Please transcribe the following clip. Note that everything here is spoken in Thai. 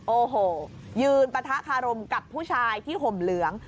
โอ้โหยืนปะทะคารมกับผู้ชายที่ห่มเหลือง